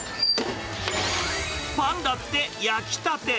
パンだって焼きたて。